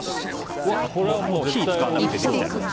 火を使わなくてもできちゃいます。